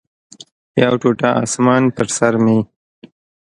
یو ټوټه اسمان پر سر مې